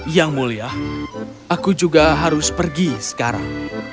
yang mulia aku juga harus pergi sekarang